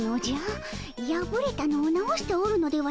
やぶれたのを直しておるのではないのかの？